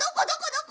どこ？